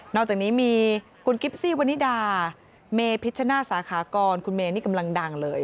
อกจากนี้มีคุณกิฟซี่วันนิดาเมพิชชนาสาขากรคุณเมนี่กำลังดังเลย